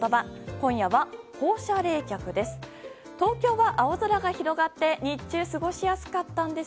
今夜は放射冷却です。